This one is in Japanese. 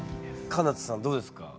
かな多さんどうですか？